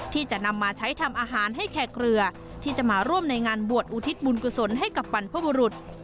ที่จะนำมาใช้ทำอาหารให้แขกเรือที่จะมาร่วมในงานบวชอุทิศบุญกุศลให้กับบรรพบุรุษ